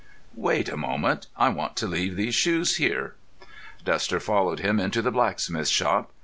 "Wait a moment. I want to leave these shoes here." Duster followed him into the blacksmith's shop.